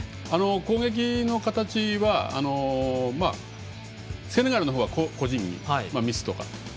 攻撃の形はセネガルのほうは個人技ミスとか。